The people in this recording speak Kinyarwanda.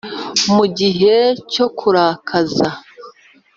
Mu gihe cyo kurakaza